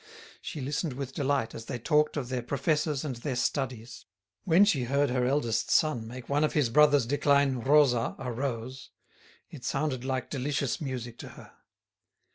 She listened with delight as they talked of their professors and their studies. When she heard her eldest son make one of his brothers decline Rosa, a rose, it sounded like delicious music to her.